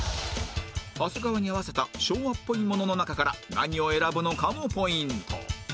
長谷川に合わせた昭和っぽいものの中から何を選ぶのかもポイント